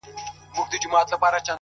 دا ستا و خولې ته خو هچيش غزل چابکه راځي!